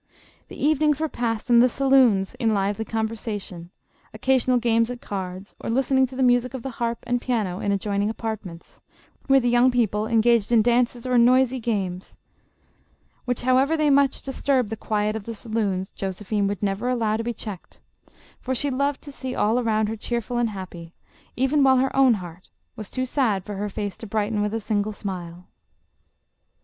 The evenings were passed in the saloons in lively conversation, occasional games at cards, or listening to the music of the harp and piano in adjoin ing apartments, where the young people engaged in dances or noisy games, which, however much they dis turbed the quiet of the saloons, Josephine would never allow to be checked, for she loved to see all around her cheerful and happy, even while her own heart was too sad for her face to brighten with a single smile.